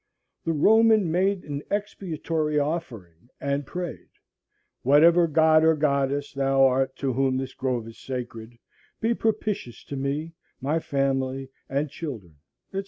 The Roman made an expiatory offering, and prayed, Whatever god or goddess thou art to whom this grove is sacred, be propitious to me, my family, and children, &c.